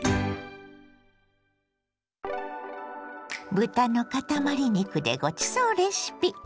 豚のかたまり肉でごちそうレシピ。